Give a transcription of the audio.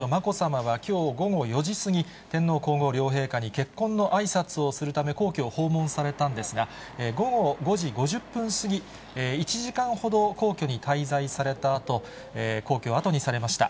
秋篠宮家の長女、まこさまはきょう午後４時過ぎ、天皇皇后両陛下に結婚のあいさつをするため、皇居を訪問されたんですが、午後５時５０分過ぎ、１時間ほど皇居に滞在されたあと、皇居を後にされました。